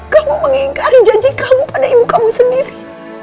kamu mengingkari janji kamu pada ibu kamu sendiri